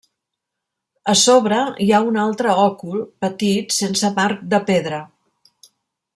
A sobre hi ha un altre òcul petit sense marc de pedra.